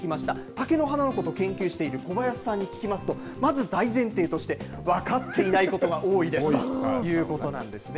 竹の花のことを研究している小林さんに聞きますと、まず大前提として、分かっていないことが多いですということなんですね。